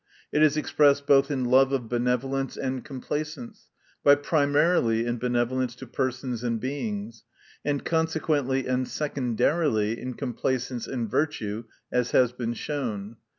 It is expressed both in love of benevolence and complacence ; but primarily in benevcJence to persons and Beings, and consequently and se condarily in complacence in virtue — as has been shown.